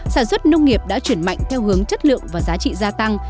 sản xuất nông nghiệp đã chuyển mạnh theo hướng chất lượng và giá trị gia tăng